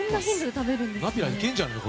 ナピラいけんじゃない？